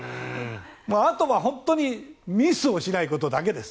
あとは本当にミスをしないことだけです。